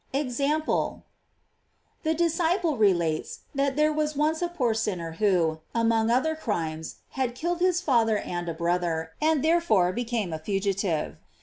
EXAMPLE. The Disciple relates^ that there was once a poor sinner who, among other crimes, had kill ed his father and a brother, and therefore be came a fugitive.